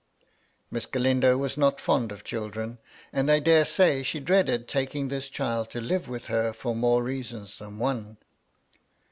Miss Galindo was not fond of children, and I daresay she dreaded taking this child to live with her for more reasons than one.